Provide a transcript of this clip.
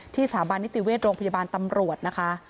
สถาบันนิติเวชโรงพยาบาลตำรวจนะคะ